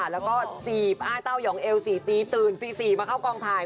แล้วก็จีบอ้ายเต้ายองเอว๔ตีตื่นตี๔มาเข้ากองถ่าย